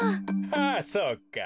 あそうか。